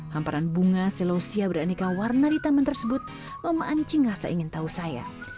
hamparan bunga selosia beraneka warna di taman tersebut memancing rasa ingin tahu saya